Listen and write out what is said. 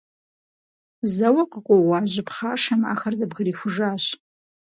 Зэуэ къыкъуэуа жьы пхъашэм ахэр зэбгрихужащ.